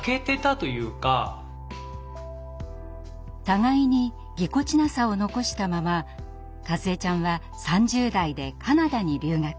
互いにぎこちなさを残したままかずえちゃんは３０代でカナダに留学。